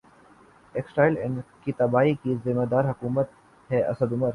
textile industry کی تباہی کی ذمہ دار حکومت ہے اسد عمر